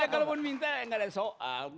ya kalaupun minta gak ada soal